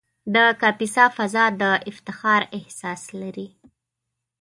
د کاپیسا فضا د افتخار احساس لري.